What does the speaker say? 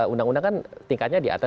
undang undang kan tingkatnya di atas